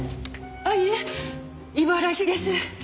あっいえ茨城です。